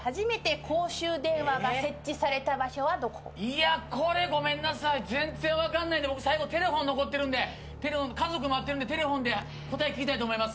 いやこれごめんなさい全然分かんないんで僕最後テレフォン残ってるんで家族待ってるんでテレフォンで答え聞きたいと思います。